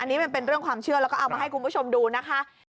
อันนี้มันเป็นเรื่องความเชื่อแล้วก็เอามาให้คุณผู้ชมดูนะคะ